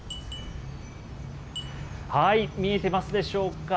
見えてますでしょうか。